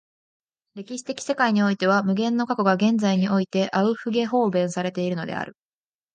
歴史的世界においては無限の過去が現在においてアウフゲホーベンされているのである。